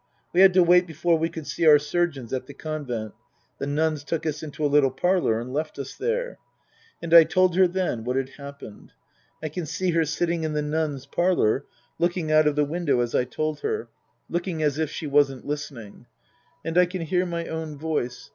We had to wait before we could see our surgeons at the Convent. The nuns took us into a little parlour and left us there. And I told her then what had happened. I can see her sitting in the nuns' parlour, looking out of the window as I told her ; looking as if she wasn't listening. And I can hear my own voice.